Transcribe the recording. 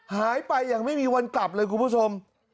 หายไปอย่างไม่มีวันกลับเลยคุณผู้ชม